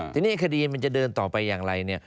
ทีนี้คดีมันจะเดินต่อไปอย่างไร